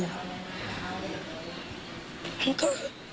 มันก็